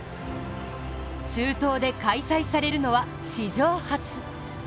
中東で開催されるのは、史上初。